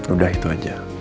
udah itu aja